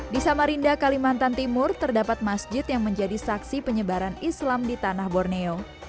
di samarinda kalimantan timur terdapat masjid yang menjadi saksi penyebaran islam di tanah borneo